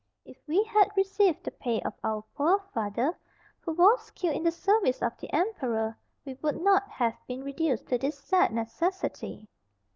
If we had received the pay of our poor father, who was killed in the service of the emperor, we would not have been reduced to this sad necessity."